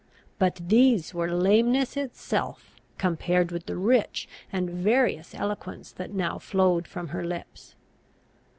But these were lameness itself, compared with the rich and various eloquence that now flowed from her lips.